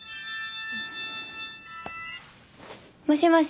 もしもし。